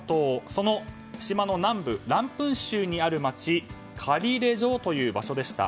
その島の南部ランプン州にある街カリレジョという場所でした。